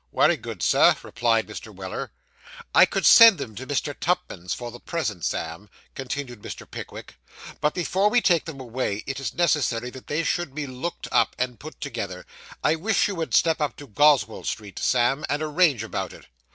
'Wery good, sir,' replied Mr. Weller. 'I could send them to Mr. Tupman's, for the present, Sam,' continued Mr. Pickwick, 'but before we take them away, it is necessary that they should be looked up, and put together. I wish you would step up to Goswell Street, Sam, and arrange about it.